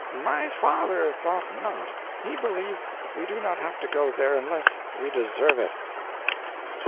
"My father thought not. He believed we do not have to go there unless we deserve it."